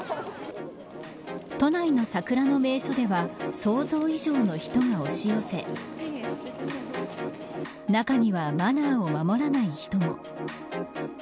都内の桜の名所では想像以上の人が押し寄せ中にはマナーを守らない人も。